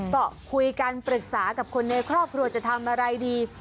ก็คุยกันปรึกษากับคนในครอบครัวจะทำอะไรดี